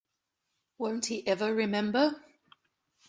Won't he ever remember?